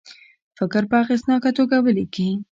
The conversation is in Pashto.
فکر په اغیزناکه توګه ولیکي.